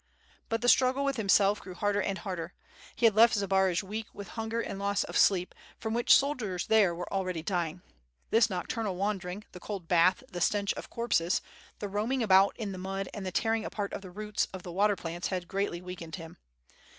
But the struggle with himself grew harder and harder. He had left Zbaraj weak with hunger and loss of sleep, from which soldiers there were already dying. This nocturnal wander ing, the cold bath, the stench of corpses, the roaming about in the mud and the tearing apart of the roots of the water plants had greatly weakened him.